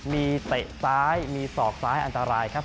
มีเตะซ้ายมีศอกซ้ายอันตรายครับ